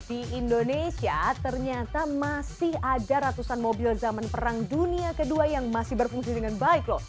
di indonesia ternyata masih ada ratusan mobil zaman perang dunia ii yang masih berfungsi dengan baik loh